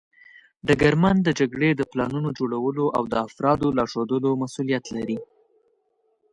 ډګرمن د جګړې د پلانونو جوړولو او د افرادو لارښودلو مسوولیت لري.